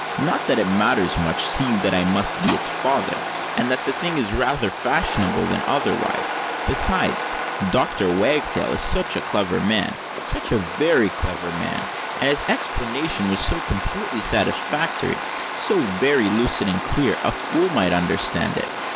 Not that it matters much—seeing that I must be its father, and that the thing is rather fashionable than otherwise. Besides—Doctor Wagtail is such a clever man—such a very clever man—and his explanation was so completely satisfactory—so very lucid and clear—a fool might understand it.